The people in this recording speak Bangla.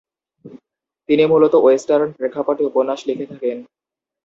তিনি মূলত ওয়েস্টার্ন প্রেক্ষাপটে উপন্যাস লিখে থাকেন।